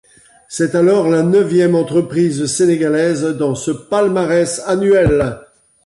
C'est alors la neuvième entreprise sénégalaise dans ce palmarès annuel.